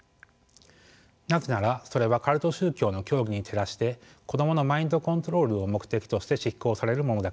なぜならそれはカルト宗教の教義に照らして子供のマインドコントロールを目的として執行されるものだからです。